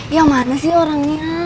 ya mana sih orangnya